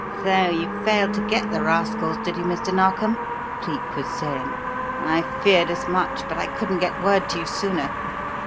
"So you failed to get the rascals, did you, Mr. Narkom?" Cleek was saying. "I feared as much; but I couldn't get word to you sooner.